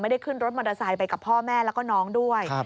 ได้ขึ้นรถมอเตอร์ไซค์ไปกับพ่อแม่แล้วก็น้องด้วย